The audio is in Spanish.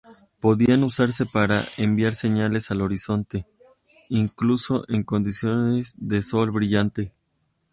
Podían usarse para enviar señales al horizonte, incluso en condiciones de sol brillante.